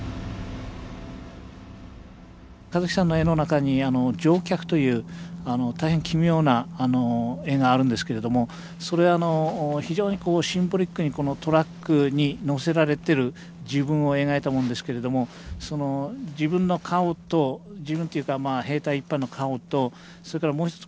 香月さんの絵の中に「乗客」という大変奇妙な絵があるんですけれどもそれはあの非常にシンボリックにトラックに乗せられてる自分を描いたもんですけれども自分の顔と自分っていうか兵隊一般の顔とそれからもう一つ